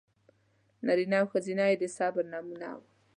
نارینه او ښځینه یې د صبر نمونه و.